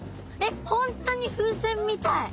えっ本当に風船みたい。